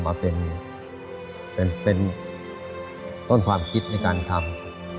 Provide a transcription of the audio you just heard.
มาเป็นต้นความคิดในการทำ